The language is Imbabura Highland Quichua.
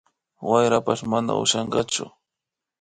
Wayrapash mana ushankachu